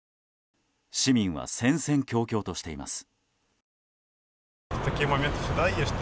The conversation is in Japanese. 市民は戦々恐々としています。